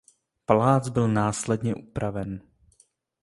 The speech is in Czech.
Palác byl následně upraven.